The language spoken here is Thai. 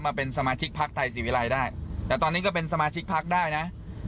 มาเป็นสมาชิกพักไทยศรีวิรัยได้แต่ตอนนี้ก็เป็นสมาชิกพักได้นะ